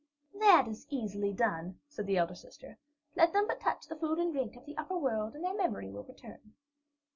"That is easily done," said the elder sister. "Let them but touch the food or drink of the upper world and their memory will return."